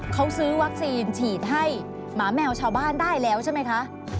เขาซื้อวัคซีนฉีดให้หมาแมวชาวบ้านได้แล้วใช่ไหมคะ